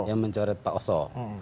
yang mencoret pak oso